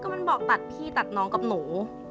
มันบอกตัดพี่ตัดน้องกับหนู